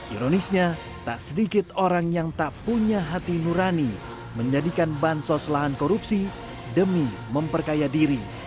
ironisnya tak sedikit orang yang tak punya hati nurani menjadikan bansos lahan korupsi demi memperkaya diri